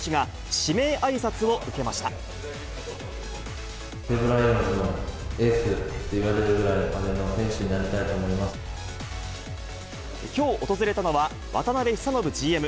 西武ライオンズのエースって言われるぐらいの選手になりたいきょう訪れたのは、渡辺久信ＧＭ。